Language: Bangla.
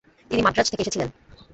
তিনি মাদ্রাজ থেকে এসেছিলেন।